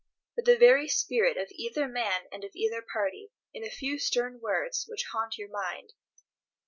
But the very spirit of either man and of either party, in the few stern words, which haunt your mind.